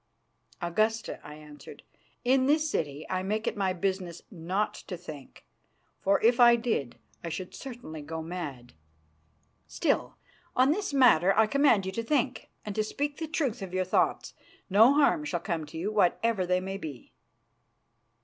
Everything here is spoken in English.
"Augusta," I answered, "in this city I make it my business not to think, for if I did I should certainly go mad." "Still, on this matter I command you to think, and to speak the truth of your thoughts. No harm shall come to you, whatever they may be."